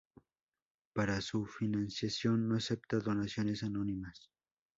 Para su financiación, no acepta donaciones anónimas.